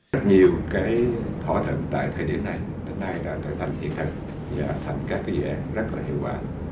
rất nhiều cái thỏa thuận tại thời điểm này đến nay đã trở thành hiện thực và thành các dự án rất là hiệu quả